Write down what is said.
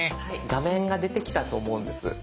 画面が出てきたと思うんです。